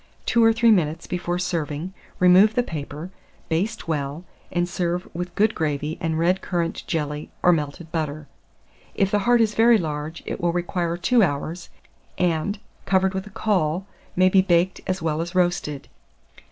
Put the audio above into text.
Two or three minutes before serving, remove the paper, baste well, and serve with good gravy and red currant jelly or melted butter. If the heart is very large, it will require 2 hours, and, covered with a caul, may be baked as well as roasted.